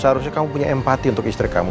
seharusnya kamu punya empati untuk istri kamu